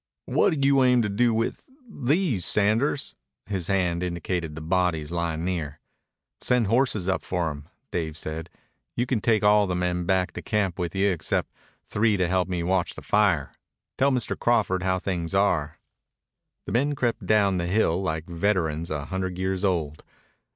"What do you aim to do with ... these, Sanders?" His hand indicated the bodies lying near. "Send horses up for them," Dave said. "You can take all the men back to camp with you except three to help me watch the fire. Tell Mr. Crawford how things are." The men crept down the hill like veterans a hundred years old.